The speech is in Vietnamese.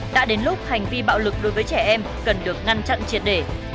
đã đến lúc hành vi bạo lực đối với trẻ em cần được ngăn chặn triệt để